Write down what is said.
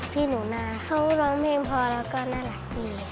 พี่หนูนาเขาร้องเพลงพอแล้วก็น่ารักดี